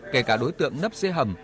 kể cả đối tượng nấp dây hầm